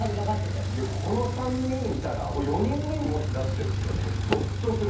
この３人いたら４人目にもしなってるとしたらもうゾッとする。